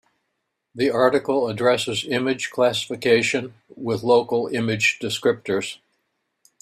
The article addresses image classification with local image descriptors.